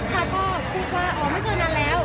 เขาก็พูดว่าอ๋อไม่เจอนานแล้ว